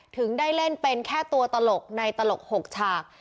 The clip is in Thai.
ถึงได้เล่นเป็นแค่ตัวตลกในตลก๖ฉาก